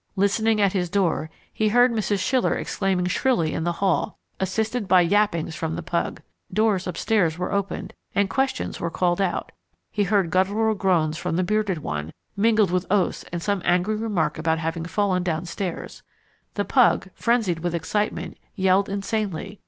Listening at his door he heard Mrs. Schiller exclaiming shrilly in the hall, assisted by yappings from the pug. Doors upstairs were opened, and questions were called out. He heard guttural groans from the bearded one, mingled with oaths and some angry remark about having fallen downstairs. The pug, frenzied with excitement, yelled insanely.